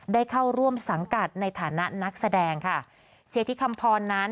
ได้เข้าร่วมสังกัดในฐานะนักแสดงค่ะเชียร์ที่คำพรนั้น